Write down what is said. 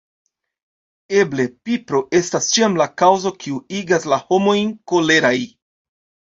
Eble pipro estas ĉiam la kaŭzo kiu igas la homojn koleraj.